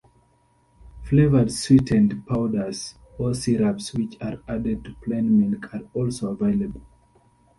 Flavored sweetened powders or syrups which are added to plain milk are also available.